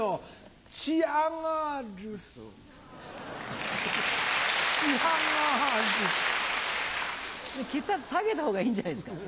血圧下げたほうがいいんじゃないですか？